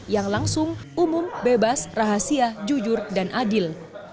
yang langsung umum bebas rahasia jujur dan adil